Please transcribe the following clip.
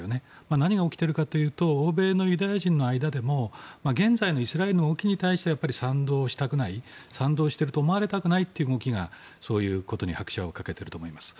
何が起きているかというと欧米のユダヤ人の間でも現在のイスラエルの動きに対してやっぱり賛同したくない賛同していると思われたくないという思いがそういうことに拍車をかけていると思います。